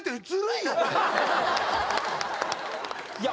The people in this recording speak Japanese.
いや